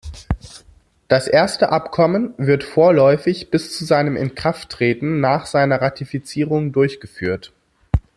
Das erste Abkommen wird vorläufig bis zu seinem Inkrafttreten nach seiner Ratifizierung durchgeführt.